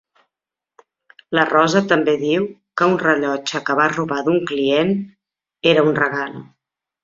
La Rosa també diu que un rellotge que va robar d'un client era un regal.